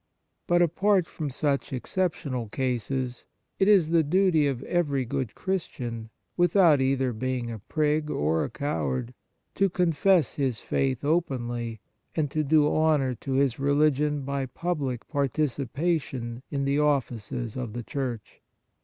But, apart from such exceptional cases, it is the duty of every good Christian, without either being a prig or a coward, to confess his faith openly and to do honour to his religion by public participation in the offices of the Church.